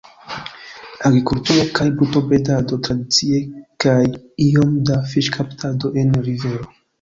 Agrikulturo kaj brutobredado tradicie, kaj iom da fiŝkaptado en rivero.